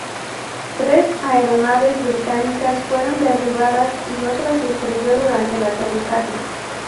Tres aeronaves británicas fueron derribadas y otra se estrelló durante el aterrizaje.